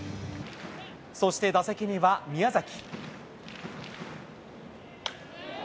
そして打席には宮崎。